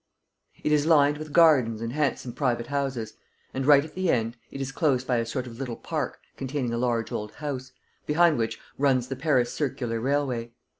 It is lined with gardens and handsome private houses; and, right at the end, it is closed by a sort of little park containing a large old house, behind which runs the Paris circular railway.